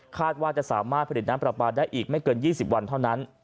ว่าจะสามารถผลิตน้ำปลาปลาได้อีกไม่เกิน๒๐วันเท่านั้น